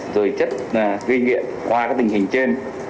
rửa chất ghi nhiệm qua tình hình trên